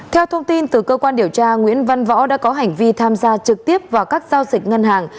theo thông tin từ cơ quan điều tra nguyễn văn võ đã có hành vi tham gia trực tiếp vào các giao dịch ngân hàng